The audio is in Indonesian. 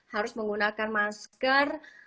harus menggunakan masker